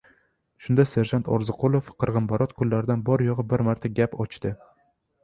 Shunda, serjant Orziqulov qirg‘inbarot kunlardan bor-yo‘g‘i bir marta gap ochdi: